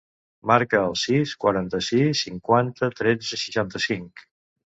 Marca el sis, quaranta-sis, cinquanta, tretze, seixanta-cinc.